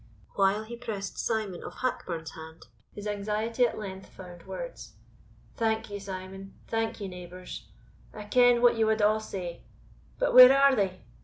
While he pressed Simon of Hackburn's hand, his anxiety at length found words. "Thank ye, Simon thank ye, neighbours I ken what ye wad a' say. But where are they?